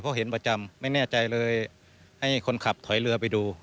เพราะเห็นประจำไม่แน่ใจเลยให้คนขับถอยเรือไปดู